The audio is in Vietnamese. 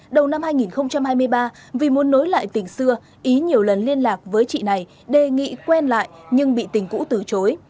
đầu năm hai nghìn hai mươi ba vì muốn nối lại tình xưa ý nhiều lần liên lạc với chị này đề nghị quen lại nhưng bị tình cũ từ chối